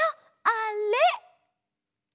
あれ！